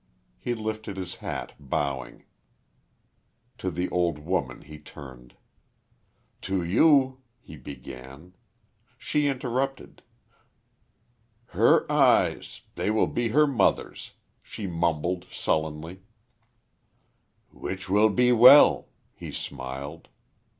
He lifted his hat, bowing. To the old woman he turned. "To you " he began; she interrupted. "Her eyes, they will be her mother's," she mumbled, sullenly. "Which will be well," he smiled.